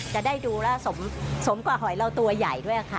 จะได้ดูแล้วสมกว่าหอยเราตัวใหญ่ด้วยค่ะ